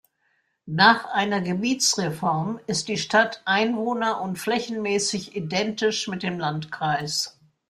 Nach einer Gebietsreform ist die Stadt einwohner- und flächenmäßig identisch mit dem Landkreis.